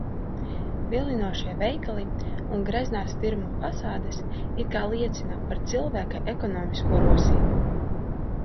Vilinošie veikali un greznās firmu fasādes it kā liecina par cilvēka ekonomisko rosību.